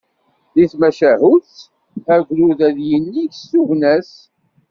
Deg tmacahut, agrud ad yinig s tugna-s.